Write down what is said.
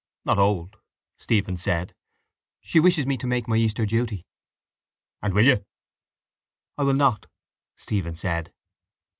—Not old, Stephen said. She wishes me to make my easter duty. —And will you? —I will not, Stephen said.